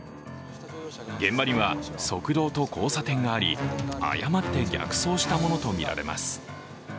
現場には側道と交差点があり誤って逆走したものとみられます。